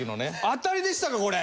当たりでしたかこれ。